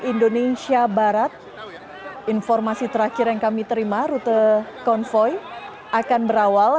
indonesia barat informasi terakhir yang kami terima rute konvoy akan berawal